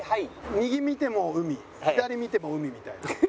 右見ても海左見ても海みたいな。